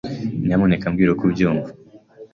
Nyamuneka mbwira uko ubyumva.